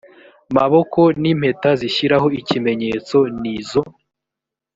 maboko n impeta zishyiraho ikimenyetso n izo